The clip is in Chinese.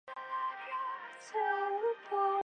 海悦国际是来自新加坡的酒店集团。